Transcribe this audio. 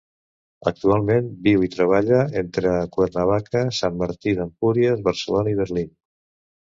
Actualment viu i treballa entre Cuernavaca, Sant Martí d'Empúries, Barcelona i Berlín.